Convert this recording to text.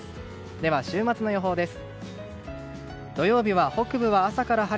では週末の予報です。